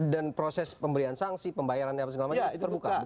dan proses pemberian sanksi pembayaran dan sebagainya terbuka